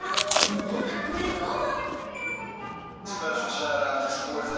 ノーカットでどうぞ。